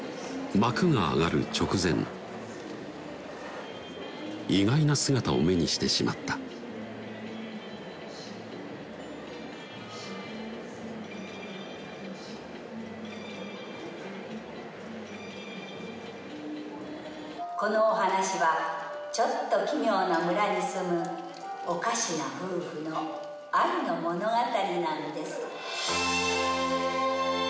幕が上がる直前意外な姿を目にしてしまった「このお話はちょっと奇妙な村に住むおかしな夫婦の愛の物語なのです」